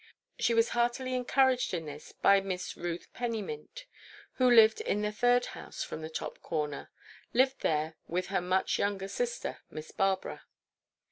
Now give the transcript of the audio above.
She was heartily encouraged in this by Miss Ruth Pennymint, who lived in the third house from the top corner—lived there with her much younger sister, Miss Barbara.